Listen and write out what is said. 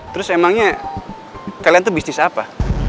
terus emangnya kalian tuh bisnis apa